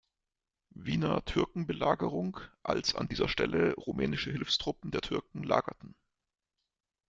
Wiener Türkenbelagerung, als an dieser Stelle rumänische Hilfstruppen der Türken lagerten.